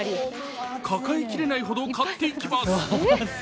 抱えきれないほど買っていきます。